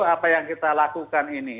apa yang kita lakukan ini